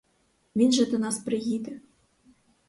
Він же до нас приїде.